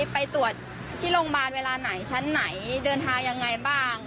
ไปตรวจที่โรงพยาบาลเวลาไหนชั้นไหนเดินทางยังไงบ้าง